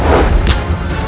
aku akan menang